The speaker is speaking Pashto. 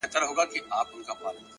اخلاق د شخصیت ریښتینی معیار دی.!